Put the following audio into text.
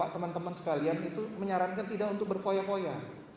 teman teman sekalian itu menyarankan tidak untuk berpoya poya